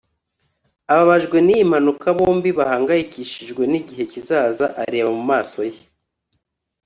ababajwe niyi mpanuka bombi bahangayikishijwe nigihe kizaza areba mumaso ye